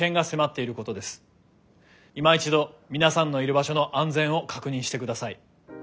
いま一度皆さんのいる場所の安全を確認してください。